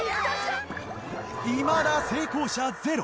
いまだ成功者ゼロ。